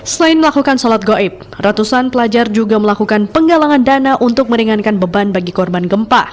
selain melakukan sholat goib ratusan pelajar juga melakukan penggalangan dana untuk meringankan beban bagi korban gempa